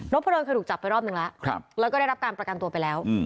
พระดอนเคยถูกจับไปรอบนึงแล้วแล้วก็ได้รับการประกันตัวไปแล้ว